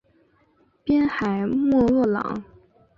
滨海莫厄朗。